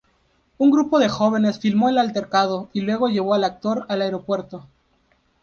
Un grupo de jóvenes filmó el altercado y luego llevó al actor al aeropuerto.